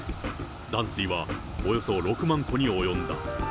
断水はおよそ６万戸に及んだ。